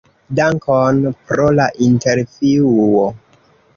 Dankon pro la intervjuo!